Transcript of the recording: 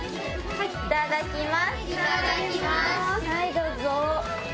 はいどうぞ。